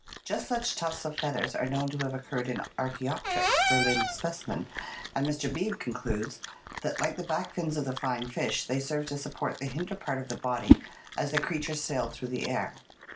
Just such tufts of feathers are known to have occurred in Arck Bopteryx (Berlin specimen), and Mr. Beebe concludes that, like the back fins of the flying fish, they served to support the hinder part of the body as the creature sailed through the air.